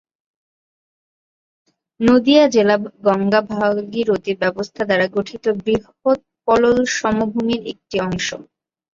নদীয়া জেলা গঙ্গা-ভাগীরথী ব্যবস্থা দ্বারা গঠিত বৃহত পলল সমভূমির একটি অংশ।